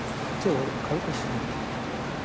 はい軽く添える。